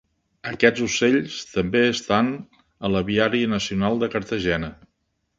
Aquests ocells també estan a l'Aviari Nacional de Cartagena.